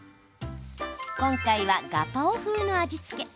今回は、ガパオ風の味付け。